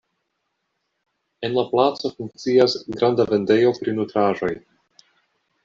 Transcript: En la placo funkcias granda vendejo pri nutraĵoj.